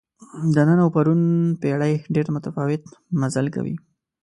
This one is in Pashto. د نن او پرون پېړۍ ډېر متفاوت مزل کوي.